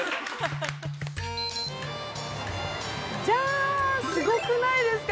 ◆じゃーん、すごくないですか